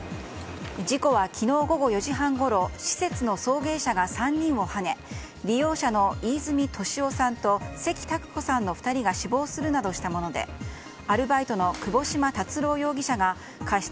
事故は昨日午後４時半ごろ施設の送迎車が３人をはね利用者の飯泉利夫さんと関拓子さんの２人が死亡するなどしたものでアルバイトの窪島達郎容疑者が過失